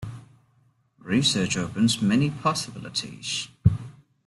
Research opens many possibilities.